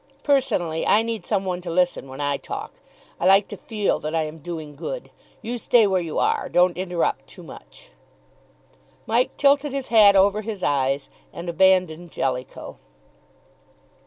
Personally, I need some one to listen when I talk. I like to feel that I am doing good. You stay where you are don't interrupt too much." Mike tilted his hat over his eyes and abandoned Jellicoe.